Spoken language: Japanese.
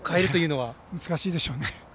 難しいでしょうね。